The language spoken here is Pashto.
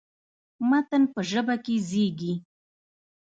متن په ژبه کې زېږي.